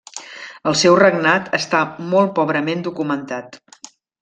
El seu regnat està mol pobrament documentat.